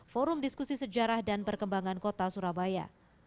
forum diskusi sejarah dan perkembangan kota surabaya